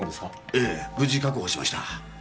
ええ無事確保しました。